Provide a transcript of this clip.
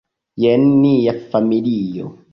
Jen nia familio.